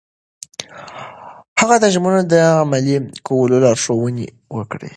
هغه د ژمنو د عملي کولو لارښوونې وکړې.